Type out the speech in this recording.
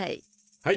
はい。